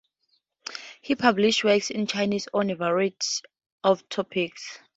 He published works in Chinese on a variety of topics.